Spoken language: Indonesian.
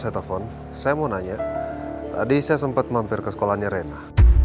saya telepon saya mau nanya tadi saya sempat mampir ke sekolahnya rena